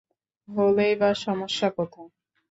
হলেই বা সমস্যা কোথায়?